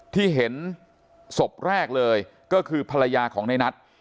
ที่เห็นศพแรกเลยก็คือภรรยาของในนัท